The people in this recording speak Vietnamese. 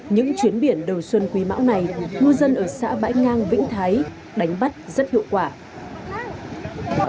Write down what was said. những chuyến biển đầu xuân quý mão này ngư dân ở xã bãi ngang vĩnh thái đánh bắt rất hiệu quả